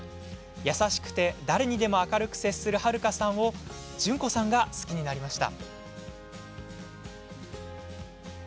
優しくて誰にでも明るく接する悠さんを順子さんが好きになりました。